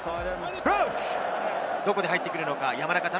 どこで入ってくるのか山中。